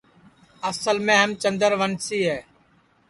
اصل میں ہم چندروسی ہے